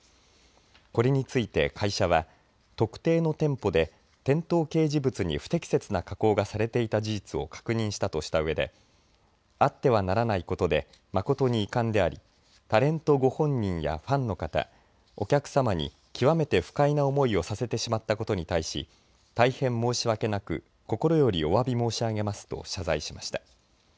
これについて会社は特定の店舗で店頭掲示物に不適切な加工がされていた事実を確認したとしたうえであってはならないことで誠に遺憾でありタレントご本人やファンの方お客さまに極めて不快な思いをさせてしまったことに対し大変申し訳なく心よりおわび申し上げますと謝罪しました。